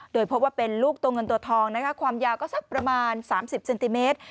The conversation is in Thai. โดยพบว่าเป็นลูกตัวเงินตัวทองนะคะความยาวก็สักประมาณ๓๐เซนติเมตร